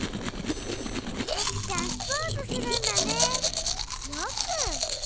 さくちゃんスポーツするんだね。